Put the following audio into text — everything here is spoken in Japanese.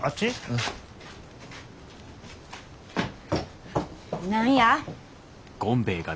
うん。何や？